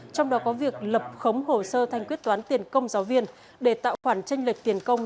trong đó có việc lập khống hồ sơ thanh quyết toán tiền công giáo viên để tạo khoản tranh lệch tiền công